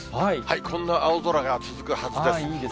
こんな青空が続くはずです。